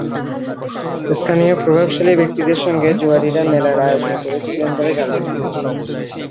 স্থানীয় প্রভাবশালী ব্যক্তিদের সঙ্গে জুয়াড়িরা মেলার আয়োজন করেছিলেন বলে জানতে পেরেছি।